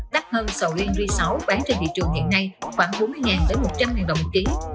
đắt hơn sầu riêng sáu bán trên thị trường hiện nay khoảng bốn mươi một trăm linh đồng một ký